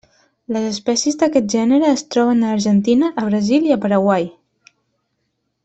Les espècies d'aquest gènere es troben a Argentina, a Brasil i a Paraguai.